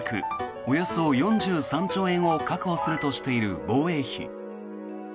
およそ４３兆円を確保するとしている防衛費。